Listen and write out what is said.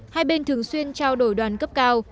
hai bên thường xuyên trao đổi đoàn cấp cao